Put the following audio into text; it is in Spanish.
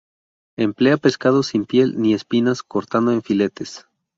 Emplea pescado sin piel ni espinas cortado en filetes.